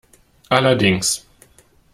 Allerdings.